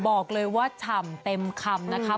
บอกเลยว่าฉ่ำเต็มคำนะคะ